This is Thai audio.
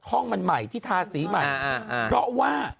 ห้องมันใหม่ที่ทาสีใหม่เพราะว่า